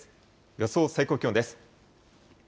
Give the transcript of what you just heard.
予想最高気温です。